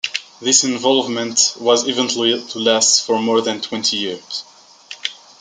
This involvement was eventually to last for more than twenty years.